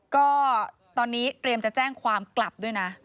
ก็ตอนนี้เตรียมจะแจ้งความกลับด้วยนะ